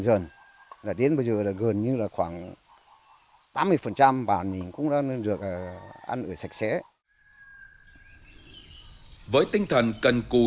dần là đến bây giờ gần như là khoảng tám mươi bản mình cũng đã được ăn uống sạch sẽ với tinh thần cần